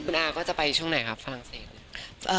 คุณอาก็จะไปช่วงไหนครับฝรั่งเศสเลย